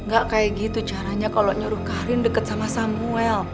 gak kayak gitu caranya kalau nyuruh karin deket sama samuel